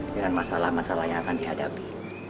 dengan masalah masalah yang akan dihadapi